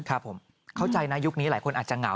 ครับผมเข้าใจนะยุคนี้หลายคนอาจจะเหงา